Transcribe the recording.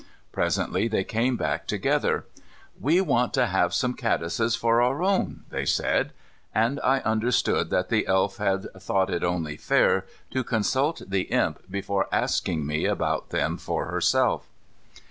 Presently they came back together. "We want to have some caddises for our own," they said, and I understood that the Elf had thought it only fair to consult the Imp before asking me about them for herself.